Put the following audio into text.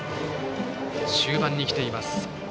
終盤に来ています。